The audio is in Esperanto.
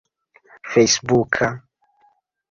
fejsbuka